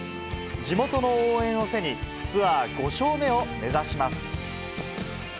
地元の応援を背に、ツアー５勝目を目指します。